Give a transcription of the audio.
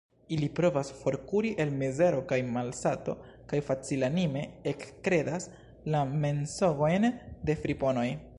Ili provas forkuri el mizero kaj malsato kaj facilanime ekkredas la mensogojn de friponoj.